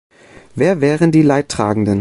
Wer wären die Leidtragenden?